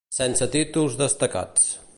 Sense títols destacats.